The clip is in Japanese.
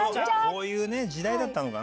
こういう時代だったのかな。